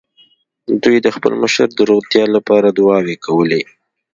دوی د خپل مشر د روغتيا له پاره دعاوې کولې.